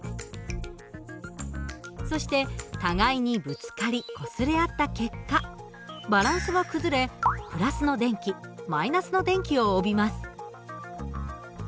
そして互いにぶつかりこすれ合った結果バランスが崩れ＋の電気−の電気を帯びます。